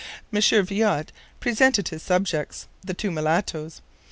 M. Viot presented his subjects, the two mulattoes.